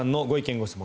・ご質問